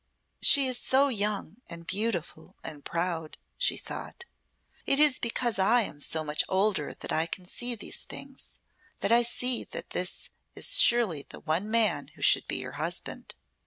"She is so young and beautiful and proud," she thought. "It is because I am so much older that I can see these things that I see that this is surely the one man who should be her husband.